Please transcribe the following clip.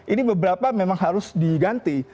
ini beberapa memang harus diganti